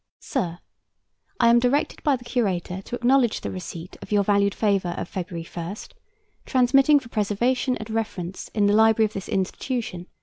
SIR, I am directed by the Curator to acknowledge the receipt of your valued favor of February 1, transmitting for preservation and reference in the library of this institution 1.